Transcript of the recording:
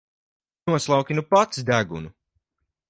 Noslauki nu pats degunu!